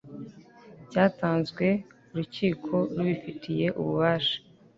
cyatanzwe urukiko rubifitiye ububasha